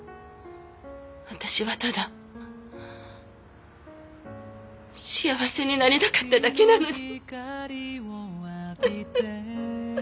私はただ幸せになりたかっただけなのに。